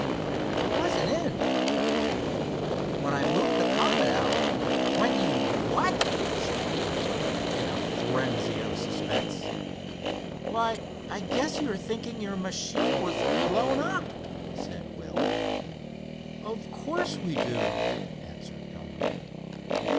"I wasn't in," replied Will. "When I moved the Comet out——" "When you what?" shouted Hiram, in a frenzy of suspense. "Why, I guess you're thinking your machine was blown up," said Will. "Of course we do," answered Elmer.